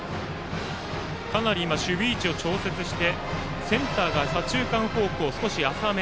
かなり守備位置を調節してセンターが左中間方向少し浅め。